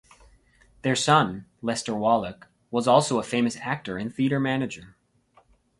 Their son, Lester Wallack, was also a famous actor and theater manager.